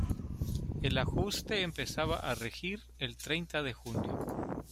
El ajuste empezaba a regir el treinta de junio.